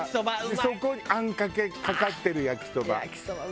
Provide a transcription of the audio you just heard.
そこにあんかけかかってる焼きそば。